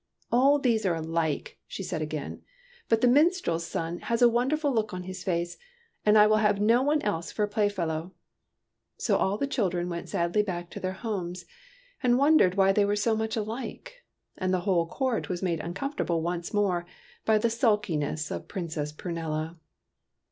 '' All these are alike," she said again ;'' but the minstrel's son has a wonderful look on his face, and I will have no one else for a playfellow !" So all the children went sadly back to their homes, and wondered why they were so much alike ; and the whole court was made uncom fortable once more by the sulkiness of Princess Prunella.